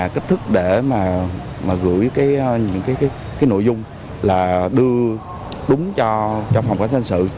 cách thức để mà gửi cái nội dung là đưa đúng cho phòng cảnh sát hình sự